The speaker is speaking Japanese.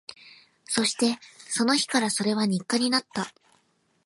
そして、その日からそれは日課になった